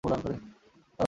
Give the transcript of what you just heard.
সাধারণ শেয়ার প্রদান করে।